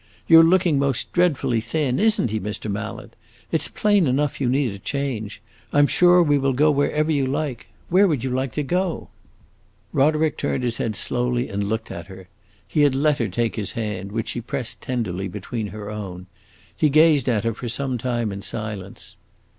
You 're looking most dreadfully thin; is n't he, Mr. Mallet? It 's plain enough you need a change. I 'm sure we will go wherever you like. Where would you like to go?" Roderick turned his head slowly and looked at her. He had let her take his hand, which she pressed tenderly between her own. He gazed at her for some time in silence.